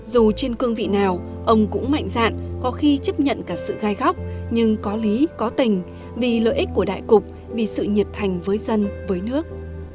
dù trên cương vị nào ông cũng mạnh dạn có khi chấp nhận cả sự gai góc nhưng có lý có tình vì lợi ích của đại cục vì sự nhiệt thành với dân với nước